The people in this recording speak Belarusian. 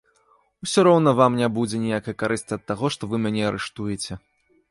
Усё роўна вам не будзе ніякай карысці ад таго, што вы мяне арыштуеце.